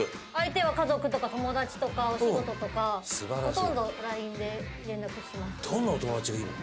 家族とか友だちとかお仕事とかほとんどＬＩＮＥで連絡します。